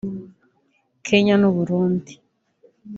Kenya n’u Burundi